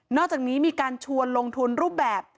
อกจากนี้มีการชวนลงทุนรูปแบบ